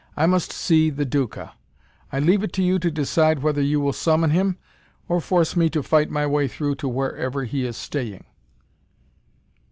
I must see the Duca. I leave it to you to decide whether you will summon him, or force me to fight my way through to wherever he is staying."